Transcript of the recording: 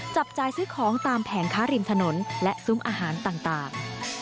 จับจ่ายซื้อของตามแผงค้าริมถนนและซุ้มอาหารต่าง